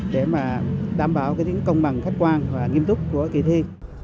để mà đảm bảo tính công bằng khách quan và nghiêm túc của kỳ thi